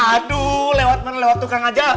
aduh lewat mana lewat tukang aja